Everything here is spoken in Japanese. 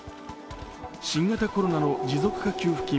新型コロナの持続化給付金